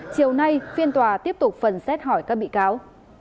chiều nay phiên tòa tiếp tục phần xét hỏi các bị cáo